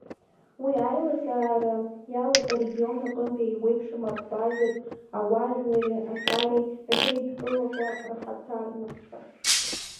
Уи аилазаара иалоуп арегион аҟынтәи еиуеиԥшым абазатә ауаажәлари аҿари рхеидкылақәа рхаҭарнакцәа.